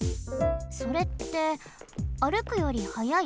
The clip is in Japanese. それって歩くより速い？